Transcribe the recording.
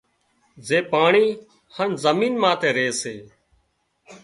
زي پاڻي هانَ زمين ماٿي ري سي